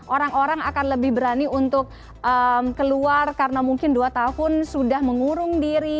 orang orang akan lebih berani untuk keluar karena mungkin dua tahun sudah mengurung diri